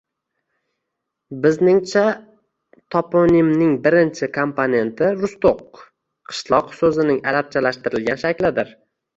Bizningcha, toponimning birinchi komponenti “rustoq” – qishloq so‘zining arabchalashtirilgan shaklidir.